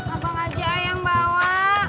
apa ngajak yang bawa